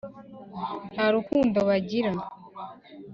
ntarukundo bagira